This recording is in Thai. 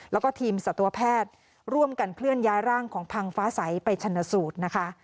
แล้วก็ทีมสัตวแพทย์ร่วมกันเคลื่อนย้ายร่างของพังฟ้าใสไปชนสูตรนะคะ